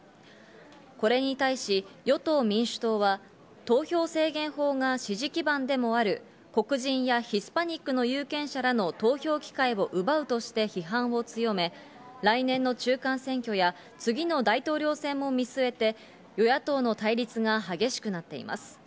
これに対し与党・民主党は投票制限法が支持基盤でもある黒人やヒスパニックの有権者らの投票機会を奪うとして批判を強め、来年の中間選挙や次の大統領選も見据えて、与野党の対立が激しくなっています。